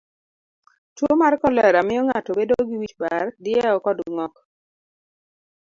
Tuo mar kolera miyo ng'ato bedo gi wich bar, diewo kod ng'ok.